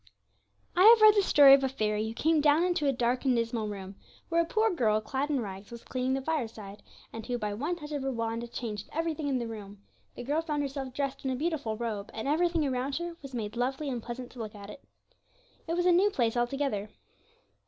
I have read the story of a fairy who came down into a dark and dismal room, where a poor girl clad in rags was cleaning the fireside, and who, by one touch of her wand, changed everything in the room; the girl found herself dressed in a beautiful robe, and everything around her was made lovely and pleasant to look at. It was a new place altogether.